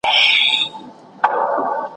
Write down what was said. کرۍ ورځ توري ګولۍ وې چلېدلې `